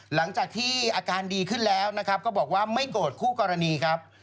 หลังจากที่อาการดีขึ้นแล้วนะครับก็บอกว่าไม่โกรธคู่กรณีครับ